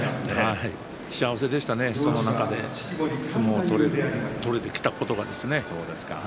幸せでしたね、その中で相撲を取ることができる。